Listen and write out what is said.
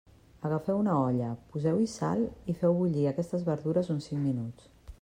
Agafeu una olla, poseu-hi sal i feu bullir aquestes verdures uns cinc minuts.